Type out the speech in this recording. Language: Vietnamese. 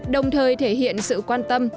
đồng thời thể hiện sự quan tâm